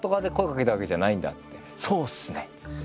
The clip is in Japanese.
「そうっすね」っつって。